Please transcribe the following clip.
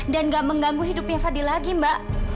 dan gak mengganggu hidupnya fadil lagi mbak